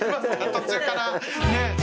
途中から。